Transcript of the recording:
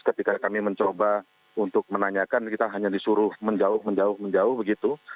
ketika kami mencoba untuk menanyakan kita hanya disuruh menjauh menjauh menjauh begitu